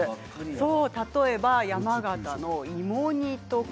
例えば、山形の芋煮とか。